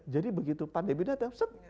jadi begitu pandemi datang